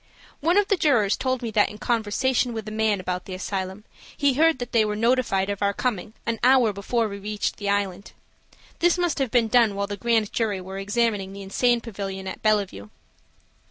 One of the jurors told me that in conversation with a man about the asylum, he heard that they were notified of our coming an hour before we reached the Island. This must have been done while the Grand Jury were examining the insane pavilion at Bellevue.